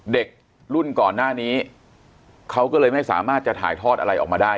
เด็กรุ่นก่อนหน้านี้เขาก็เลยไม่สามารถจะถ่ายทอดอะไรออกมาได้